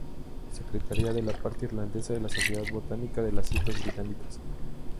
Secretaria de la parte irlandesa de la Sociedad Botánica de las Islas Británicas.